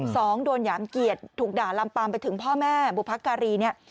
สองโดนหยามเกียรติถูกด่าลำปามไปถึงพ่อแม่บุพการีเนี่ย